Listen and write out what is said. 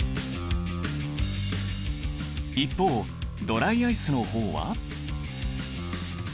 一方ドライアイスの方は。